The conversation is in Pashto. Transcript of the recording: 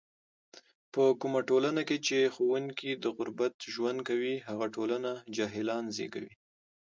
کومه ټولنه کې چې ښوونکی د غربت ژوند کوي، هغه ټولنه جاهلان زږوي.